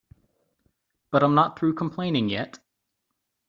But I'm not through complaining yet.